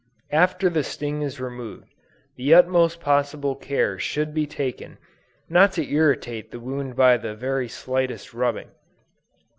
After the sting is removed, the utmost possible care should be taken, not to irritate the wound by the very slightest rubbing.